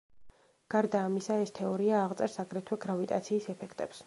გარდა ამისა, ეს თეორია აღწერს აგრეთვე გრავიტაციის ეფექტებს.